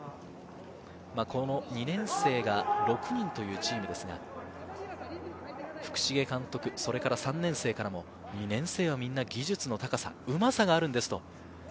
この２年生が６人というチームですが福重監督、それから３年生からも２年生はみんな、技術の高さ、うまさがあるんです。